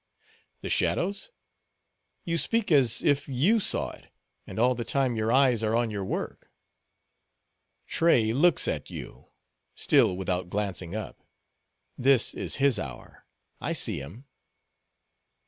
"The shadow's? You speak as if you saw it, and all the time your eyes are on your work." "Tray looks at you," still without glancing up; "this is his hour; I see him."